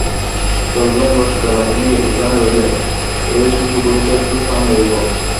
চললুম রসিকদাদা– তুমি এখানে রইলে, এই শিশুগুলিকে একটু সামলে রেখো।